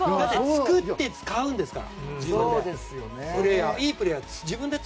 作って使うんですから自分で。